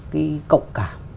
cái cộng cảm